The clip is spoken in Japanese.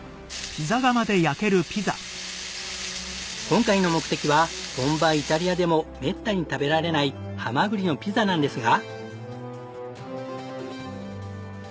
今回の目的は本場イタリアでもめったに食べられないハマグリのピザなんですが。